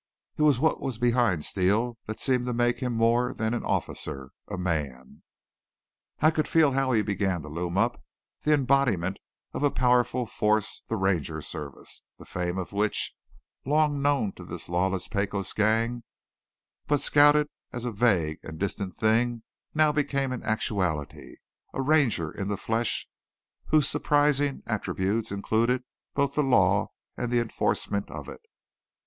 It was what was behind Steele that seemed to make him more than an officer a man. I could feel how he began to loom up, the embodiment of a powerful force the Ranger Service the fame of which, long known to this lawless Pecos gang, but scouted as a vague and distant thing, now became an actuality, a Ranger in the flesh, whose surprising attributes included both the law and the enforcement of it.